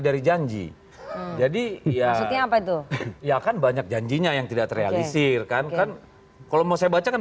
dari janji jadi ya seperti apa itu ya kan banyak janjinya yang tidak terrealisir kan kan kalau mau saya baca kan